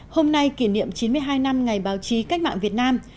hôm nay kỷ niệm chín mươi hai năm ngày báo chí cách mạng việt nam